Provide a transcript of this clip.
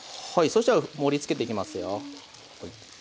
そしたら盛りつけていきますよ。